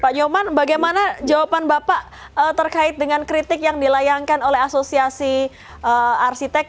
pak nyoman bagaimana jawaban bapak terkait dengan kritik yang dilayangkan oleh asosiasi arsitek